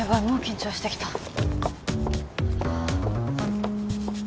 もう緊張してきた